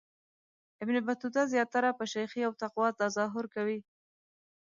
ابن بطوطه زیاتره په شیخی او تقوا تظاهر کوي.